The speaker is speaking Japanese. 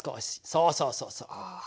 そうそうそうそう。